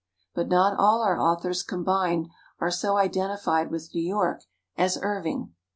But not all our authors combined are so identified with New York as Irving.